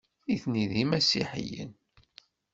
Nitni d imasiḥiyen.